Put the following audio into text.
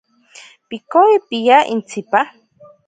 Pikowi piya intsipa.